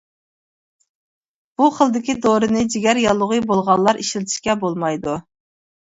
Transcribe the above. بۇ خىلدىكى دورىنى جىگەر ياللۇغى بولغانلار ئىشلىتىشكە بولمايدۇ.